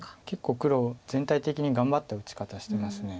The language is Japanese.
結構黒全体的に頑張った打ち方してます。